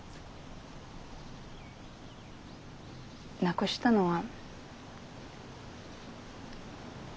亡くしたのは。